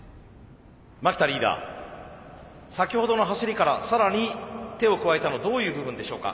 牧田リーダー先ほどの走りから更に手を加えたのどういう部分でしょうか？